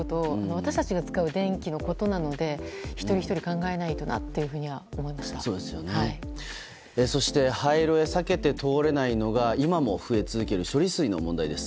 私たちが使う電気のことなので一人ひとり考えないといけないとそして、廃炉へ避けて通れないのが今も増え続ける処理水の問題です。